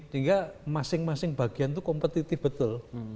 sehingga masing masing bagian itu kompetitif betul